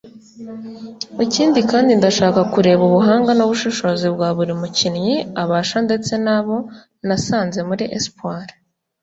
Ikindi kandi ndashaka kureba ubuhanga n’ubushobozi bwa buri mukinnyi; abashya ndetse n’abo nasanze muri Espoir